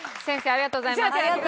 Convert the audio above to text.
ありがとうございます！